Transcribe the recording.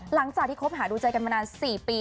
หลังจากที่คบหาดูใจกันมานาน๔ปี